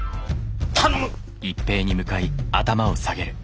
頼む！